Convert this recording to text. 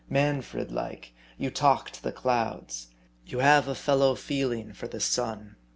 Manfred like, you talk to the clouds : you have a fellow feeling for the sun.